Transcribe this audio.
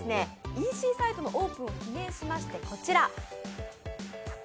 ＥＣサイトのオープンを記念しまして、こちら。